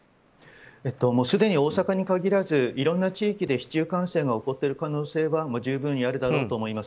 すでに大阪に限らずいろんな地域で市中感染は起こっている可能性は十分にあると思います。